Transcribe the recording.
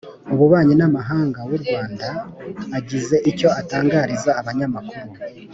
ububanyi n'amahanga w'u rwanda agize icyo atangariza abanyamakuru,